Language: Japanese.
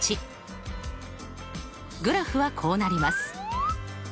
グラフはこうなります。